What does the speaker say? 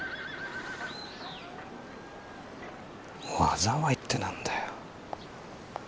「災い」って何だよ。